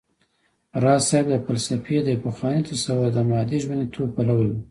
راز صيب د فلسفې د يو پخواني تصور د مادې ژونديتوب پلوی و